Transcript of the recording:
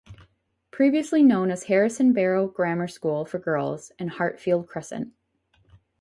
Previously known as Harrison Barrow Grammar School for Girls and Hartfield Crescent.